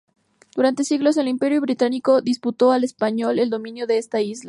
Durante siglos, el Imperio británico disputó al español el dominio de esta isla.